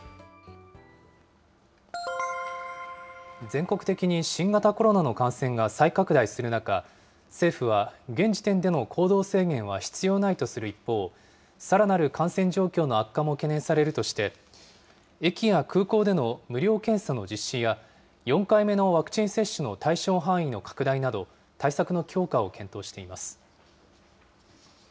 全国的に新型コロナの感染が再拡大する中、政府は、現時点での行動制限は必要ないとする一方、さらなる感染状況の悪化も懸念されるとして、駅や空港での無料検査の実施や、４回目のワクチン接種の対象範囲の拡大など、対策の強化を検討しています。